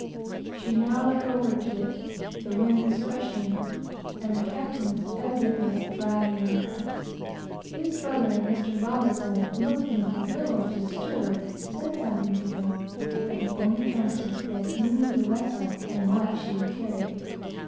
She now lay over to it, the wind was freshening, and the captain was evidently "dragging on to her." His brother and Mr. R , looking a little squally, said something to him, but he only answered that he knew the vessel and what she would carry.